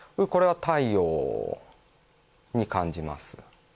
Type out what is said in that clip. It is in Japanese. これは太陽に感じます